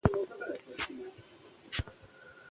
چې ادبيات خو بهترينه پوهنځۍ ده.